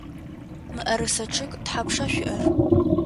Мыӏэрысэ чъыг тхьапша шъуиӏэр?